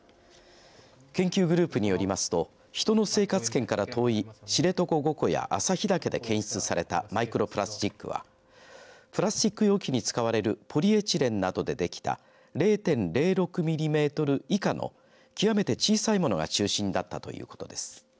研究グループによりますと人の生活圏から遠い知床五湖や旭岳で検出されたマイクロプラスチックはプラスチック容器に使われるポリエチレンなどでできた０．０６ミリメートル以下の極めて小さいものが中心だったということです。